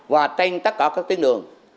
và tên tất cả các tuyến đường